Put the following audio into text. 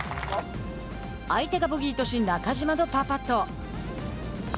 相手がボギーとし中島のパーパット。